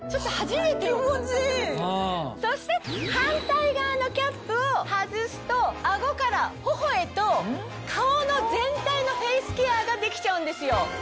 そして反対側のキャップを外すと顎から頬へと顔の全体のフェイスケアができちゃうんですよ。